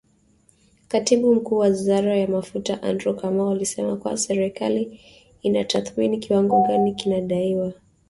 Katibu Mkuu wa Wizara ya Mafuta Andrew Kamau alisema kuwa serikali inatathmini kiwango gani kinadaiwa